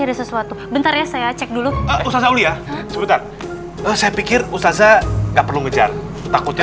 ada sesuatu bentar ya saya cek dulu usauli ya sebentar saya pikir usaza nggak perlu ngejar takutnya